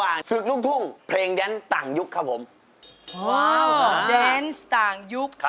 โอ้โหสุดยอดมากเลย